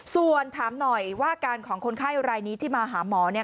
ส่วนถามหน่อยว่าอาการของคนไข้รายนี้ที่มาหาหมอ